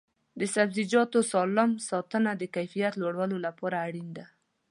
د سبزیجاتو سالم ساتنه د کیفیت لوړولو لپاره اړینه ده.